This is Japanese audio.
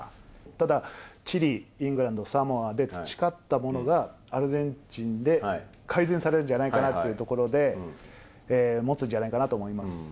ただ、チリ、イングランド、サモアで培ったものが、アルゼンチンで改善されるんじゃないかなというところで、持つんじゃないかなと思います。